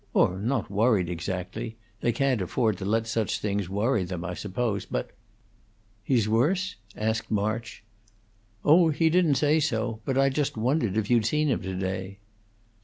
"Or not worried, exactly; they can't afford to let such things worry them, I suppose; but " "He's worse?" asked March. "Oh, he didn't say so. But I just wondered if you'd seen him to day."